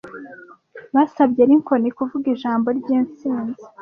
Basabye Lincoln kuvuga ijambo ryintsinzi.